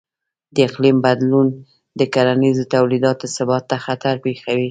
د اقلیم بدلون د کرنیزو تولیداتو ثبات ته خطر پېښوي.